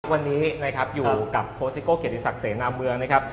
วันนี้อยู่กับโค้ดซิโก้เกียรติศักดิ์เสนอน้ำเมือง